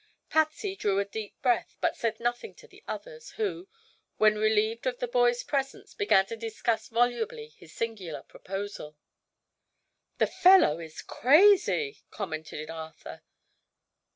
Patsy drew a deep breath, but said nothing to the others, who, when relieved of the boy's presence, began to discuss volubly his singular proposal. "The fellow is crazy," commented Arthur.